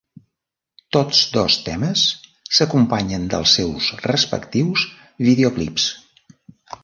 Tots dos temes s'acompanyen dels seus respectius videoclips.